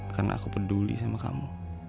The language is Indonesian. karena aku peduli sama kamu